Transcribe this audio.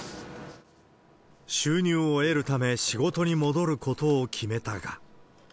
収入を得るため仕事に戻ることを決めたが。